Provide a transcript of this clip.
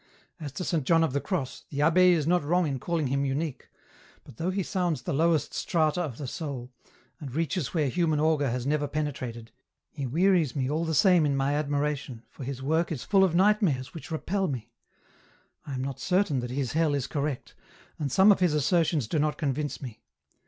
As to Saint John of the Cross, the abbe is not wrong in calling him unique, but though he sounds the lowest strata of the soul, and reaches where human auger has never penetrated, he wearies me all the same in my admiration, for his work is full of nightmares which repel me ; I am not certain that his hell is correct, and some of his assertions do not convince me.